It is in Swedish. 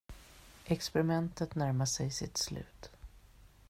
Experimentet närmar sig sitt slut.